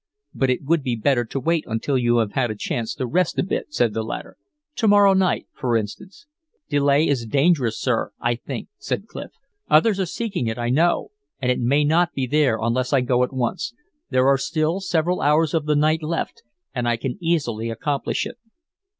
"But it would be better to wait until you have had a chance to rest a bit," said the latter. "To morrow night, for instance." "Delay is dangerous, sir, I think," said Clif. "Others are seeking it, I know, and it may not be there unless I go at once. There are still several hours of the night left, and I can easily accomplish it."